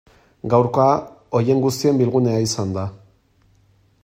Gaurkoa horien guztien bilgunea izan da.